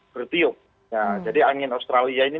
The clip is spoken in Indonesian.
bertiup ya jadi angin australia ini